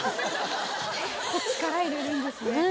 結構力入れるんですね。